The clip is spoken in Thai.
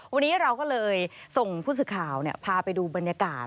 วันนี้เราก็เลยส่งผู้สื่อข่าวพาไปดูบรรยากาศ